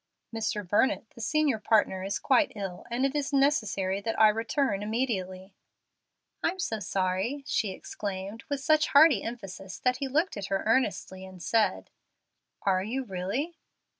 "Mr. Burnett, the senior partner, is quite ill, and it is necessary that I return immediately." "I'm so sorry," she exclaimed, with such hearty emphasis that he looked at her earnestly and said, "Are you really?"